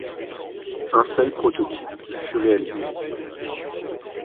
Un seul prototype fut réalisé.